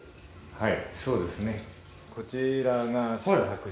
はい。